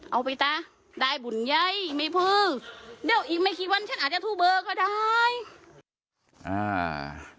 เอาไปต่อได้บุญใหญ่มีภูมิเดี๋ยวอีกไม่คิดวันฉันอาจจะทู่เบอร์ก็ได้